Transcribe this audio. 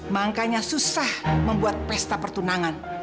makanya susah membuat pesta pertunangan